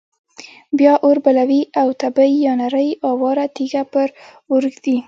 بیا اور بلوي او تبۍ یا نرۍ اواره تیږه پر اور ږدي.